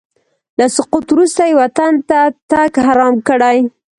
له سقوط وروسته یې وطن ته تګ حرام کړی.